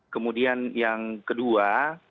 kemudian yang kedua